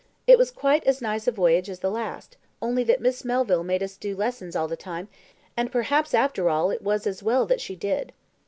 It was quite as nice a voyage as the last, only that Miss Melville made us do lessons all the time; and perhaps after all it was as well that she did."